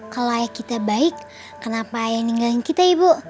kalau ayah kita baik kenapa ayah ninggalin kita ibu